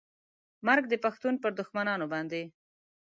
مرګ د پښتون پر دښمنانو باندې